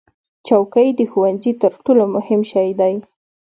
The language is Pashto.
چوکۍ د ښوونځي تر ټولو مهم شی دی.